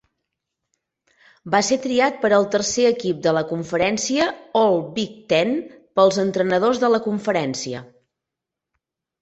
Va ser triat per al tercer equip de la conferència All-Big Ten pels entrenadors de la conferència.